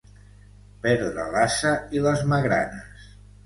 Perdre l'ase i les magranes.